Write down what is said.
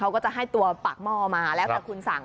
อารมณ์ของแม่ค้าอารมณ์การเสิรฟนั่งอยู่ตรงกลาง